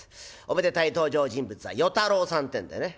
おめでたい登場人物は与太郎さんってんでね。